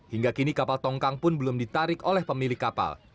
hingga kini kapal tongkang pun belum ditarik oleh pemilik kapal